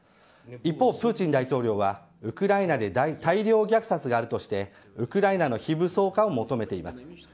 一方、プーチン大統領はウクライナで大量虐殺があるとしてウクライナの非武装化を求めています。